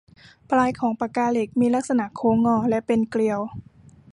ปลายของปากกาเหล็กมีลักษณะโค้งงอและเป็นเกลียว